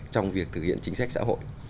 trong việc thực hiện chính sách xã hội